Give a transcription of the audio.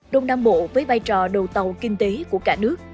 đông nam bộ với vai trò đầu tàu kinh tế của cả nước